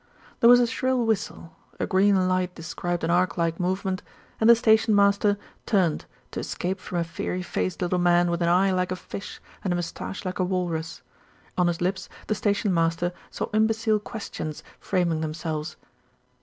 There was a shrill whistle, a green light described an arc like movement, and the station master turned to escape from a fiery faced little man with an eye like a fish and a moustache like a walrus. On his lips the station master saw imbecile questions framing them selves.